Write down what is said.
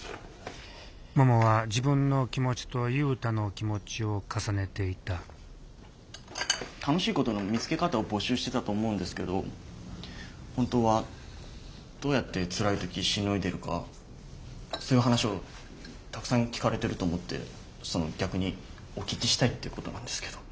ももは自分の気持ちと雄太の気持ちを重ねていた楽しいことの見つけ方を募集してたと思うんですけど本当はどうやってつらい時しのいでるかそういう話をたくさん聞かれてると思ってその逆にお聞きしたいっていうことなんですけど。